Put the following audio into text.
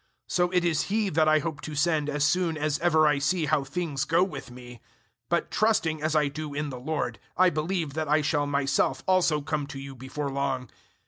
002:023 So it is he that I hope to send as soon as ever I see how things go with me; 002:024 but trusting, as I do, in the Lord, I believe that I shall myself also come to you before long.